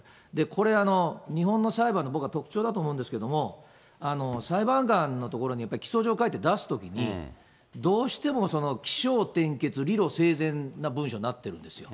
これ日本の裁判の僕は特徴だと思うんですけど、裁判官のところに起訴状書いて出すときに、どうしても起承転結、理路整然な文章になってるんですよ。